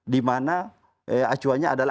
dimana acuannya adalah